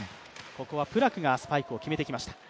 ここはプラクがスパイクを決めてきました。